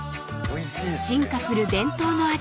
［進化する伝統の味